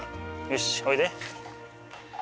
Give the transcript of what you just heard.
よしおいで！